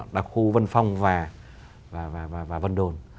đặc khu vân phong và vân đồn